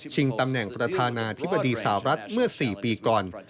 ตำแหน่งประธานาธิบดีสาวรัฐเมื่อ๔ปีก่อน